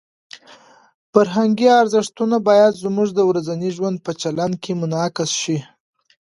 فرهنګي ارزښتونه باید زموږ د ورځني ژوند په چلند کې منعکس شي.